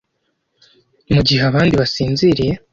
mugihe abandi basinziriye